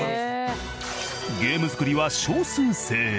ゲーム作りは少数精鋭。